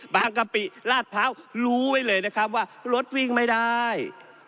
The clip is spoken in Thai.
กะปิลาดพร้าวรู้ไว้เลยนะครับว่ารถวิ่งไม่ได้